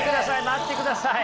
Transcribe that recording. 待ってください！